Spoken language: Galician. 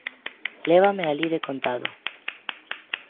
Lévame alí de contado.